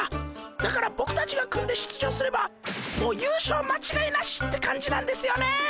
だからボクたちが組んで出場すればもう優勝間違いなしって感じなんですよね！